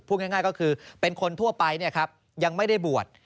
พูดง่ายก็คือเป็นคนทั่วไปเนี่ยครับยังไม่ได้บวช